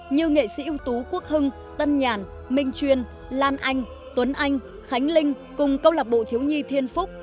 như nghệ sĩ ưu tú quốc hưng tân nhàn minh chuyên lan anh tuấn anh khánh linh cùng câu lạc bộ thiếu nhi thiên phúc